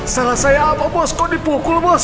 salah saya apa bos kok dipukul bos